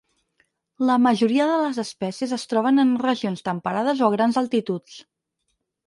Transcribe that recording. La majoria de les espècies es troben en regions temperades o a grans altituds.